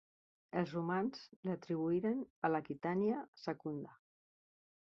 Els romans l'atribuïren a l'Aquitània Secunda.